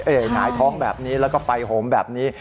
หงายท้องแบบนี้แล้วก็ไปโหมแบบนี้